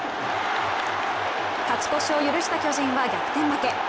勝ち越しを許した巨人は逆転負け。